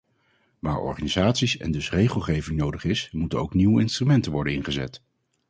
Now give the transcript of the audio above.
Waar organisatie en dus regelgeving nodig is, moeten ook nieuwe instrumenten worden ingezet.